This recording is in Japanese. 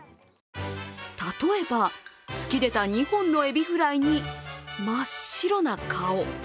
例えば、突き出た２本のエビフライに真っ白な顔。